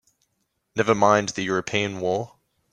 Never mind the European war!